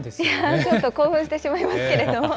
ちょっと興奮してしまいますけれども。